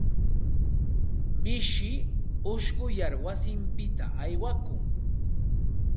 Mishi ushquyar wasinpita aywakun.